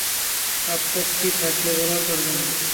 আপত্তি থাকলে বলার দরকার নেই।